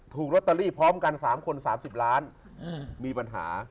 ถูกลอตเตอรี่พร้อมกัน๓คน๓๐ล้านมีปัญหา